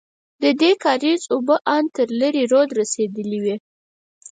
ددې کارېز اوبه ان تر لېرې روده رسېدلې وې.